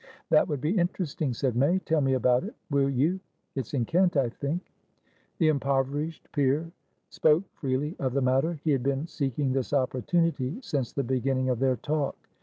"That would be interesting," said May. "Tell me about it, will you? It's in Kent, I think?" The impoverished peer spoke freely of the matter. He had been seeking this opportunity since the beginning of their talk.